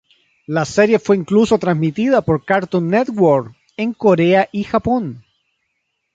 La serie fue incluso transmitida por Cartoon Network en Corea y Japón.